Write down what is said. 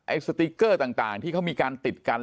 สติ๊กเกอร์ต่างที่เขามีการติดกัน